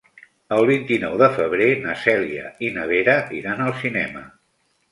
El vint-i-nou de febrer na Cèlia i na Vera iran al cinema.